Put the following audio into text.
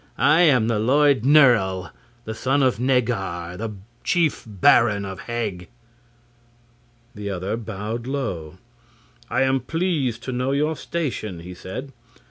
"I am the Lord Nerle, the son of Neggar, the chief baron of Heg!" The other bowed low. "I am pleased to know your station," he said.